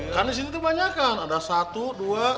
kan disini tuh banyak kan ada satu dua tiga empat lima tuh